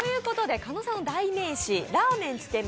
狩野さんの代名詞ラーメン・つけ麺・